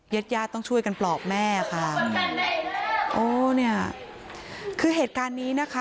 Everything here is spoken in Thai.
ญาติญาติต้องช่วยกันปลอบแม่ค่ะโอ้เนี่ยคือเหตุการณ์นี้นะคะ